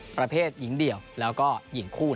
ประเภทหญิงเดี่ยวแล้วก็หญิงคู่